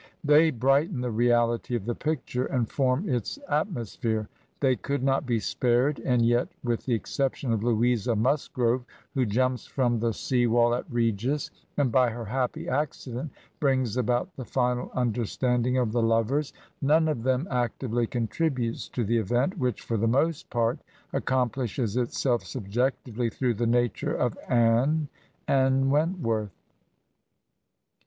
They brighten the reality of the picture, and form its atmosphere; they could not be spared, and yet, with the exception of Louisa Musgrove, who jumps from the sea wall at Regis, and by her happy accident brings about the final understanding of the lovers, none of them actively contributes to the event, which for the most part accomplishes itself subjectively through the nature of Anne and Wentworth.